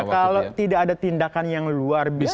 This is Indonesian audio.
kalau tidak ada tindakan yang luar biasa